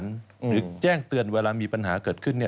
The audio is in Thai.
หรือแจ้งเตือนเวลามีปัญหาเกิดขึ้น